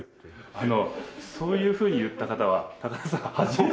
あのそういうふうに言った方は高田さんが初めて。